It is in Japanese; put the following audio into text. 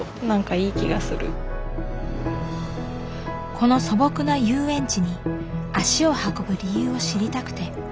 この素朴な遊園地に足を運ぶ理由を知りたくて。